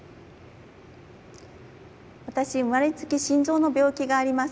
私生まれつき心臓の病気があります。